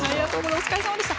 お疲れさまでした。